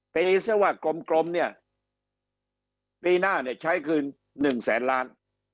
ปีหน้าใช้คืน๑๐๐๐๐๐ล้านบาท